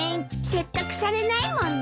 説得されないもんね。